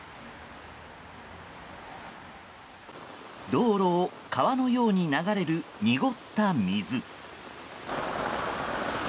道路を川のように流れる濁った水。